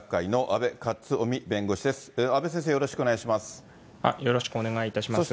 阿部先生、よろしくお願いします。